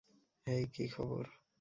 হেই, কী খবর?